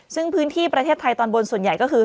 ซึ่งพื้นที่ประเทศไทยตอนบนส่วนใหญ่ก็คือ